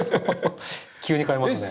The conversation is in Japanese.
急に変えますね。